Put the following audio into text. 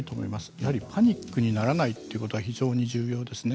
やっぱりパニックにならないということが非常に重要ですね。